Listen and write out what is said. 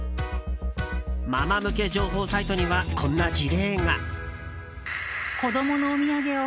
ママ向け情報サイトにはこんな事例が。